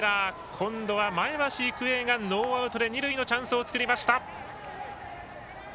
今度は、前橋育英がノーアウトで二塁のチャンスを作りました。